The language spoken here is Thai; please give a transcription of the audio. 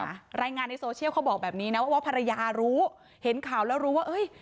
รายงานในโซเชียลเขาบอกแบบนี้นะว่าภรรยารู้เห็นข่าวแล้วรู้ว่าเอ้ย